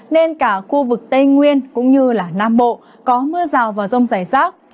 nên cả khu vực tây nguyên cũng như nam bộ có mưa rào và rông rải rác